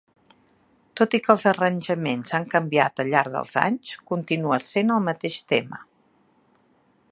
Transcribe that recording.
Tot i que els arranjaments han canviat al llarg dels anys, continua sent el mateix tema.